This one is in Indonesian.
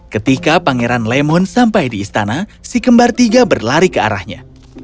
ketika pangeran lemon sampai di istana si kembar tiga berlari ke arahnya